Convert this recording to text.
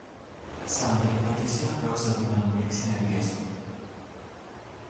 Sande falleció a causa de una anorexia nerviosa.